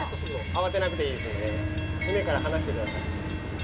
慌てなくていいですからね、舟から離してください。